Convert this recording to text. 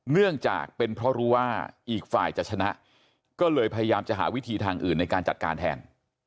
เนื่องจากเป็นเพราะรู้ว่าอีกฝ่ายจะชนะก็เลยพยายามจะหาวิธีทางอื่นในการจัดการแทน